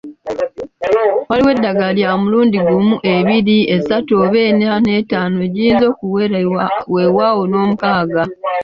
Waliwo eddagala lya mulundi gumu, ebiri, esatu oba ena n’etaano egiyinza okuwera wewaawo n’omukaaga.